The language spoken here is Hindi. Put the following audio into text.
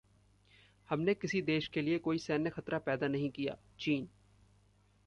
हमने किसी देश के लिए कोई सैन्य खतरा पैदा नहीं किया: चीन